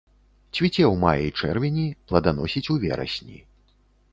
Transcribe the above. Цвіце ў маі-чэрвені, плоданасіць у верасні.